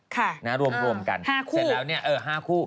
ค่ะนะรวมพรวมกัน๕คู่เสร็จแล้วเนี่ย๕คู่